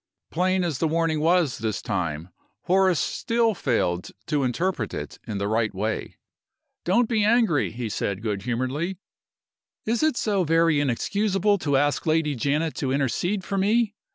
Plain as the warning was this time, Horace still failed to interpret it in the right way. "Don't be angry!" he said, good humoredly. "Is it so very inexcusable to ask Lady Janet to intercede for me?